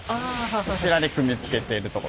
こちらで組みつけているところ。